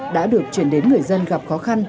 đã được chuyển đến người dân gặp khó khăn